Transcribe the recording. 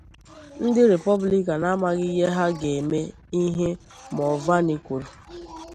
Ndị Rịpọblịkan Amaghị Ịhe Ha Ga-eme Ihe Mulvaney Kwuru